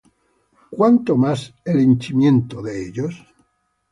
¿cuánto más el henchimiento de ellos?